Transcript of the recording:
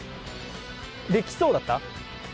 できそうだった？